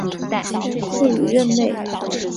卒于任内。